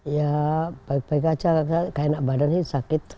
ya baik baik saja kainak badan sakit